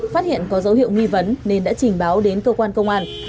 phát hiện có dấu hiệu nghi vấn nên đã trình báo đến cơ quan công an